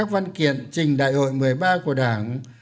văn kiện trình đại hội một mươi ba của đảng